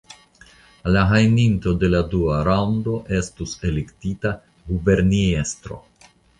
La gajninto de la dua raŭndo estus elektita guberniestro.